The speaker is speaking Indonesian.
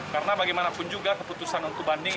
karena bagaimanapun juga keputusan untuk banding